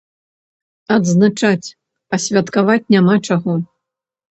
Адзначаць, а святкаваць няма чаго.